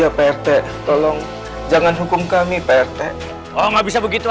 ya pak rt tolong jangan hukum kami iya pak rt tolong jangan hukum kami pak rt oh nggak bisa begitu